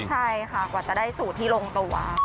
ใช่ค่ะกว่าจะได้สูตรที่ลงตัว